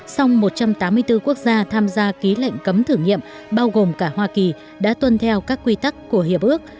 song một trăm tám mươi bốn quốc gia tham gia ký lệnh cấm thử nghiệm bao gồm cả hoa kỳ đã tuân theo các quy tắc của hiệp ước